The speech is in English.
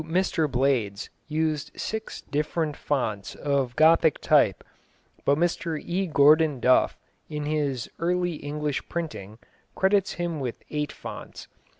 "] Caxton, according to Mr Blades, used six different founts of Gothic type, but Mr E. Gordon Duff, in his Early English Printing, credits him with eight founts.